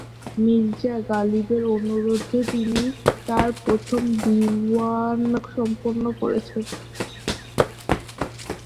মির্জা গালিবের অনুরোধে তিনি তার প্রথম দিওয়ান সম্পাদনা করেন।